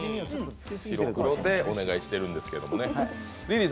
白黒でお願いしてるんですけどね。